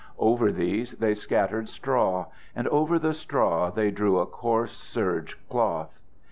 Over these they scattered straw, and over the straw they drew a coarse serge cloth.